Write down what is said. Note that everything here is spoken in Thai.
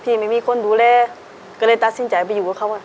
ไม่มีคนดูแลก็เลยตัดสินใจไปอยู่กับเขาอ่ะ